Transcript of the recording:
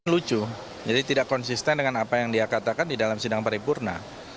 lucu jadi tidak konsisten dengan apa yang dia katakan di dalam sidang paripurna